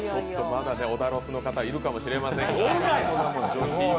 まだ小田推しの方、いるかもしれませんが。